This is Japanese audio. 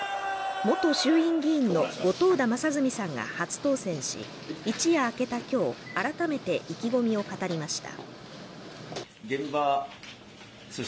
元衆院議員の後藤田正純さんが初当選し、一夜明けた今日改めて意気込みを語りました。